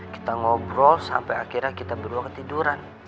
kita ngobrol sampai akhirnya kita berdua ketiduran